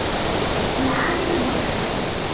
الْعَامِلُ مُتْعِبٌ.